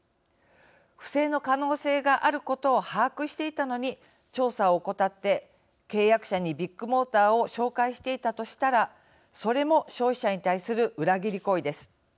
不正の可能性があることを把握していたのに調査を怠って契約者にビッグモーターを紹介していたとしたらそれも消費者に対する裏切り行為です。